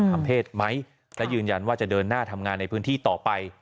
ทำเพศไหมและยืนยันว่าจะเดินหน้าทำงานในพื้นที่ต่อไป